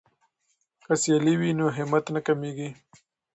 که سیالي وي نو همت نه کمیږي.